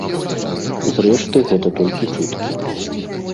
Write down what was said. Зрэшты, гэта толькі чуткі.